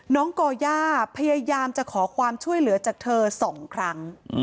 ก่อย่าพยายามจะขอความช่วยเหลือจากเธอ๒ครั้ง